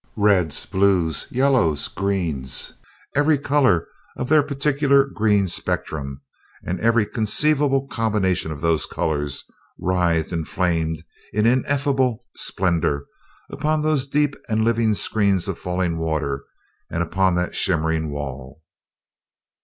Reds, blues, yellows, greens every color of their peculiar green spectrum and every conceivable combination of those colors writhed and flamed in ineffable splendor upon those deep and living screens of falling water and upon that shimmering wall.